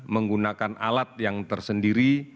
menggunakan alat yang tersendiri